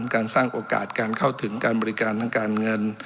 การสร้างโอกาสการเข้าถึงการบริการทางการเงิน